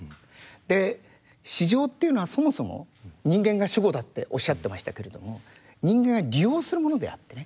で市場っていうのはそもそも人間が主語だっておっしゃってましたけれども人間が利用するものであってね。